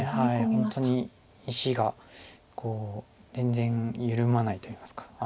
本当に石が全然緩まないといいますか。